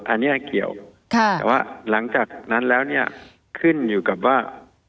อันนี้เกี่ยวแต่ว่าหลังจากนั้นแล้วเนี่ยขึ้นอยู่กับว่า